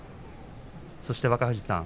そして若藤さん